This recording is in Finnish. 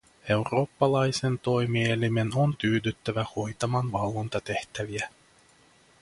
Eurooppalaisen toimielimen on tyydyttävä hoitamaan valvontatehtäviä.